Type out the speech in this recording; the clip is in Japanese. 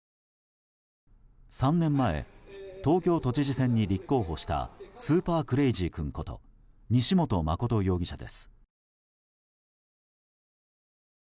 ３年前東京都知事選に立候補したスーパークレイジー君こと西本誠容疑者です。